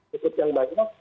youtube yang banyak